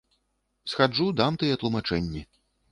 Схаджу, дам тыя тлумачэнні.